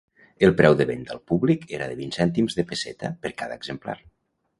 El preu de venda al públic era de vint cèntims de pesseta per cada exemplar.